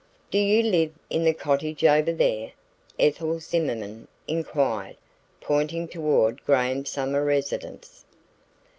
"Do you live in the cottage over there?" Ethel Zimmerman inquired, pointing toward Graham summer residence.